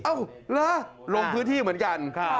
อ้าวแล้วลงพื้นที่เหมือนกัน